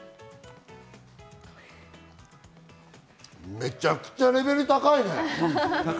めちゃくちゃレベル高いね。